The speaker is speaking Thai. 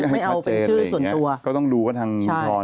ไม่เอาเป็นชื่อส่วนตัว